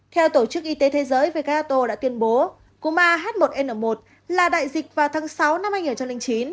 theo tổ chức y tế thế giới về kato đã tuyên bố cúm ah một n một là đại dịch vào tháng sáu năm hai nghìn chín